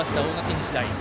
日大。